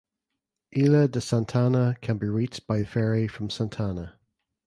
Ilha de Santana can be reached by ferry from Santana.